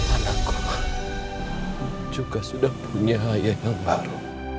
anakku juga sudah punya ayah yang baru